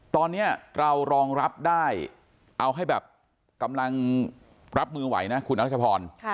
ตอนนี้เรารองรับได้เอาให้แบบกำลังรับมือไหวนะคุณอรัชพร